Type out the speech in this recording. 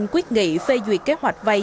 quyết nghị phê duyệt kế hoạch vay